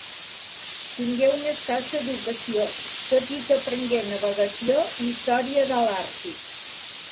Tingué una escassa educació, tot i que aprengué navegació i història de l'Àrtic.